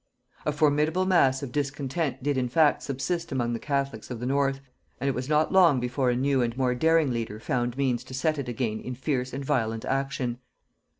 A formidable mass of discontent did in fact subsist among the catholics of the north, and it was not long before a new and more daring leader found means to set it again in fierce and violent action.